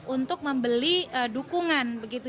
untuk membeli dukungan begitu